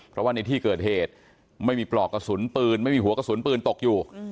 เพราะว่าในที่เกิดเหตุไม่มีปลอกกระสุนปืนไม่มีหัวกระสุนปืนตกอยู่